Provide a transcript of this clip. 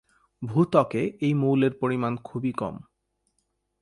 ভূত্বকে এই মৌলের পরিমাণ খুবই কম।